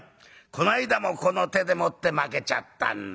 こないだもこの手でもって負けちゃったんだよな。